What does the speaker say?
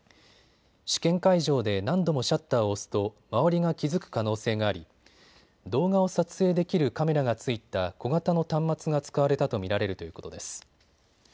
試験会場で何度もシャッターを押すと周りが気付く可能性があり動画を撮影できるカメラが付いた小型の端末が使われたと見られるということです。